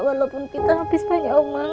walaupun kita habis banyak